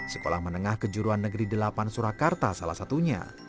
sekolah menengah kejuruan negeri delapan surakarta salah satunya